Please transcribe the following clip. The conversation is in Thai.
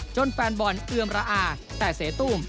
แฟนบอลเอือมระอาแต่เสตุ้ม